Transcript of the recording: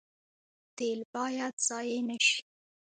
تیل باید ضایع نشي